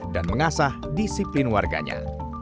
dan mengasah disiplin warganya